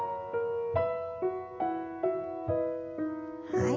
はい。